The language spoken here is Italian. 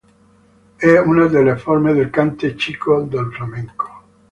È una delle forme del cante chico del flamenco.